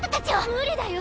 無理だよ